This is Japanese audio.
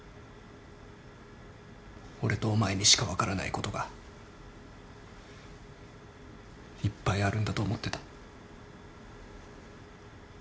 俺とお前にしか分からないことがいっぱいあるんだと思ってた。